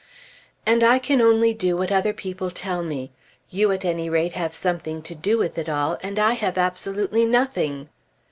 "And I can only do what other people tell me. You at any rate have something to do with it all, and I have absolutely nothing."